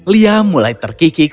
liam mulai terkikik